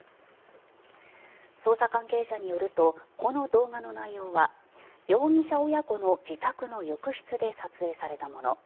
捜査関係者によるとこの動画の内容は容疑者親子の自宅の浴室で撮影されたもの